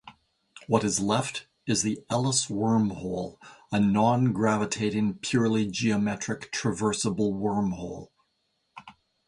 What is left is the Ellis wormhole, a nongravitating, purely geometric, traversable wormhole.